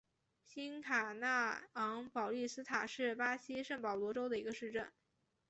新卡纳昂保利斯塔是巴西圣保罗州的一个市镇。